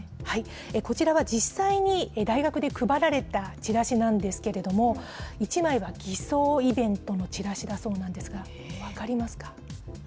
こちらは実際に大学で配られたチラシなんですけれども、１枚は偽装イベントのチラシだそうなんですが、分かりますか。